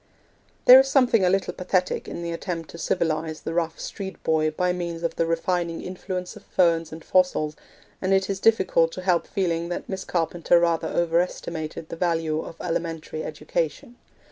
There is something a little pathetic in the attempt to civilise the rough street boy by means of the refining influence of ferns and fossils, and it is difficult to help feeling that Miss Carpenter rather overestimated the value of elementary education.